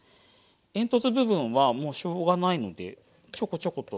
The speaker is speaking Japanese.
煙突部分はもうしょうがないのでちょこちょこと。